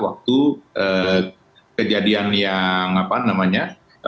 waktu kejadian yang apa namanya